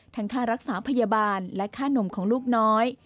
ค่ารักษาพยาบาลและค่านมของลูกน้อย